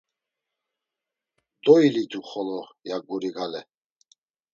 “Doilitu xolo.” ya guri gale.